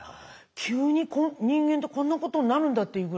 急に人間ってこんなことになるんだっていうぐらいに。